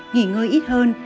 nghỉ ngơi ít hơn